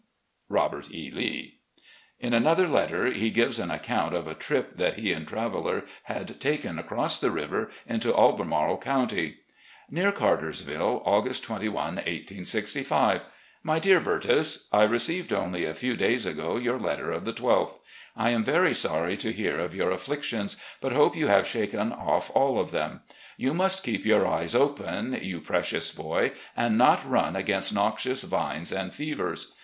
"Robert E. Lee." In another letter he gives an account of a trip that he and Traveller had taken across the river into Albemarle County: "Near Cartersville, August 21, 1865. "My Dear Bertus: I received only a few days ago your letter of the 12th. I am very sorry to hear of your afflictions, but hope you have shaken off all of them. You must keep your eyes open, you precious boy, and not run against noxious vines and fevers.